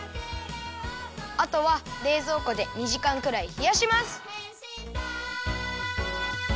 あとはれいぞうこで２じかんくらいひやします。